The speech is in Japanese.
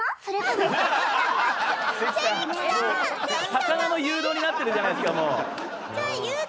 魚の誘導になってるじゃないですかもう。